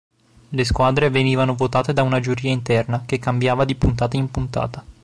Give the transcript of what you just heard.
Le squadre venivano votate da una giuria interna che cambiava di puntata in puntata.